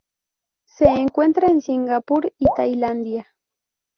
Se encuentra en Singapur y Tailandia.